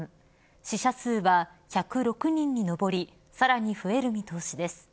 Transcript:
死者数は１０６人に上りさらに増える見通しです。